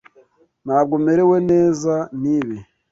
Ntabwo merewe neza nibi.